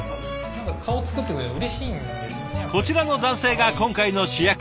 こちらの男性が今回の主役。